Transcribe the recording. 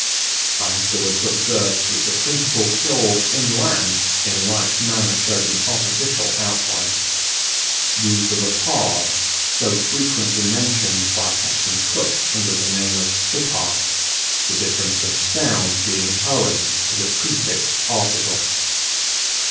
I afterwards observed that the principal hills inland in like manner showed an artificial outline. These are the Pas, so frequently mentioned by Captain Cook under the name of "hippah;" the difference of sound being owing to the prefixed article.